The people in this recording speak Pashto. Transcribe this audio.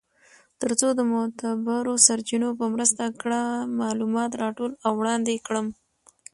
تر څو د معتبرو سرچینو په مرسته کره معلومات راټول او وړاندی کړم .